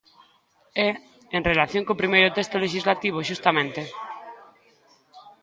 É en relación co primeiro texto lexislativo xustamente.